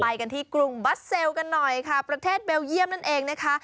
ไปกันที่กรุงบัสเซลกันหน่อยค่ะประเทศเบลเยี่ยมนั่นเองนะคะ